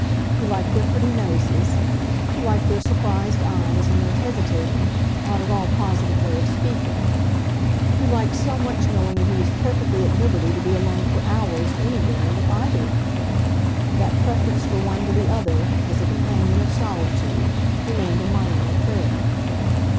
He liked their pretty noses; he liked their surprised eyes and their hesitating, not at all positive way of speaking; he liked so much knowing that he was perfectly at liberty to be alone for hours, anywhere, with either of them; that preference for one to the other, as a companion of solitude, remained a minor affair.